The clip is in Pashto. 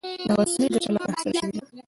دا وسلې د چا له خوا اخیستل شوي دي؟